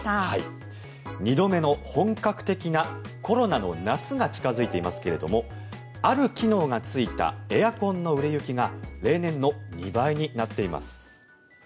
２度目の本格的なコロナの夏が近付いていますけれどもある機能がついたエアコンの売れ行きが例年の２倍になっています。